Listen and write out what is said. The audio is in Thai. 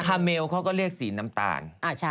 คาเมลเขาก็เรียกสีน้ำตาล